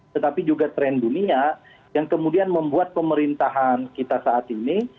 tetapi juga tren dunia yang kemudian membuat pemerintahan kita saat ini